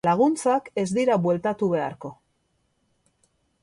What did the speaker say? Laguntzak ez dira bueltatu beharko.